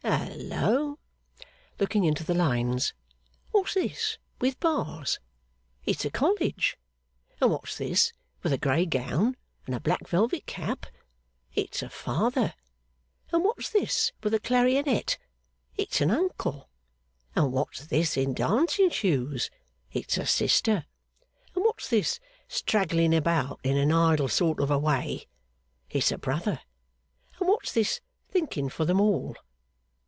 Hallo!' looking into the lines. 'What's this with bars? It's a College! And what's this with a grey gown and a black velvet cap? it's a father! And what's this with a clarionet? It's an uncle! And what's this in dancing shoes? It's a sister! And what's this straggling about in an idle sort of a way? It's a brother! And what's this thinking for 'em all?